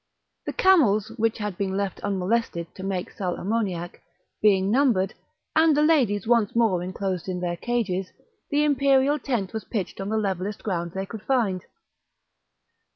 The camels, which had been left unmolested to make sal ammoniac, being numbered, and the ladies once more enclosed in their cages, the imperial tent was pitched on the levellest ground they could find.